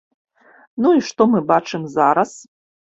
Ну і што мы бачым зараз?